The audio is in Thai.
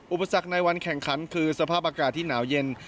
อุปสรรคในวันแข่งขันคือสภาพอากาศที่หนาวเย็น